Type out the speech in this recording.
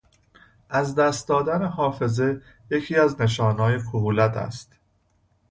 از دست دادن حافظه یکی از نشانههای کهولت است.